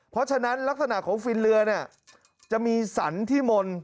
เพราะฉะนั้นลักษณะของฟินเรือเนี่ยจะมีสรรที่มนต์